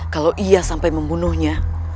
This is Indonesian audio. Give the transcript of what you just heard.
kalau ia sampai membunuhnya